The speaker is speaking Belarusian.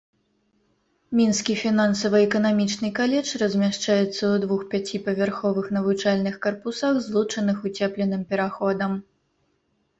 Мінскі фінансава-эканамічны каледж размяшчаецца ў двух пяціпавярховых навучальных карпусах, злучаных уцепленым пераходам.